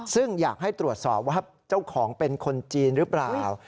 ซึ่งอยากให้ตรวจสอบว่าเจ้าของเป็นคนจีนหรือเปล่า